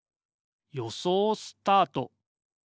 よそうスタート。